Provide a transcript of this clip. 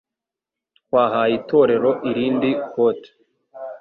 Twahaye itorero irindi kote.